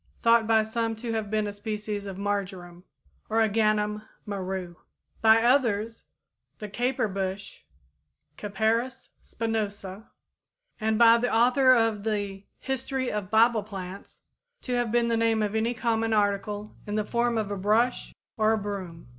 thought by some to have been a species of marjoram (Origanum maru); by others, the caper bush (Capparis spinosa); and by the author of the 'History of Bible Plants,' to have been the name of any common article in the form of a brush or a broom."